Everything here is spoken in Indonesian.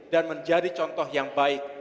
dan menjadi contoh yang baik